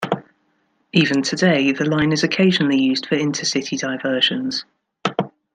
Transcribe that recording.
Even today, the line is occasionally used for inter-city diversions.